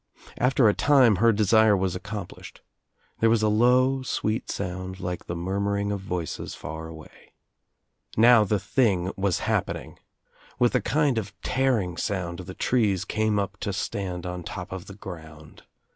After a time her desire was accomplished. There was a low sweet sound like the murmuring of voices far away. Now the thing was happening. With a kind of tearing sound the trees came up to stand on top of the ground.